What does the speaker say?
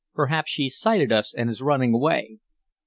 "Perhaps she's sighted us and is running away."